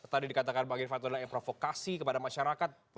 tadi dikatakan bagian yang provokasi kepada masyarakat